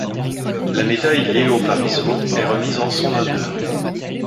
La médaille Léo-Parizeau est remise en son honneur.